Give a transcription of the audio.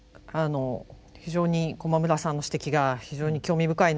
非常に駒村さんの指摘が非常に興味深いなと思いました。